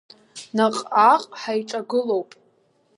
Наҟ-ааҟ ҳаиҿагылоуп…